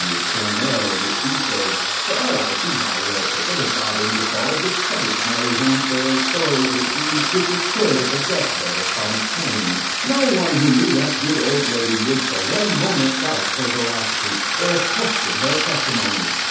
W. Cornell, in which he says: "Sir: I see by your paper that Bob Ingersoll discredits Mary Hinsdale's story of the scenes which occurred at the death bed of Thomas Paine. No one who knew that good old lady would for one moment doubt her veracity, or question her testimony.